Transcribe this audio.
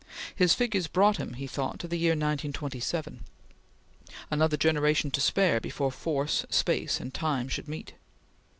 His figures brought him, he thought, to the year 1927; another generation to spare before force, space, and time should meet.